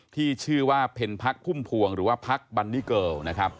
ที่ชื่อว่าเพ็ญพักพุ่มพวงหรือว่าพักบันนิเกิลนะครับ